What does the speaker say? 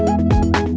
ya memang bu